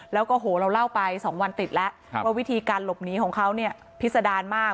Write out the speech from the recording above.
แล้วก็โหเราเล่าไป๒วันติดแล้วว่าวิธีการหลบหนีของเขาเนี่ยพิษดารมาก